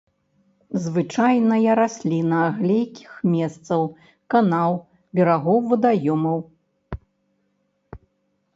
Звычайная расліна глейкіх месцаў, канаў, берагоў вадаёмаў.